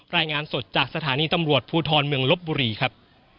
รายงานสดจากสถานีตำรวจภูทรเมืองลบบุรีครับ